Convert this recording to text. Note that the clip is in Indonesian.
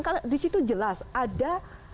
karena disitu jelas ada